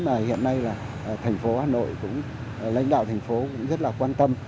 mà hiện nay là thành phố hà nội cũng lãnh đạo thành phố cũng rất là quan tâm